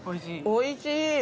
おいしい！